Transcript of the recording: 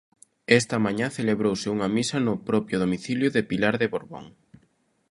Esta mañá celebrouse unha misa no propio domicilio de Pilar de Borbón.